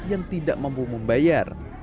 yang tidak mampu membayar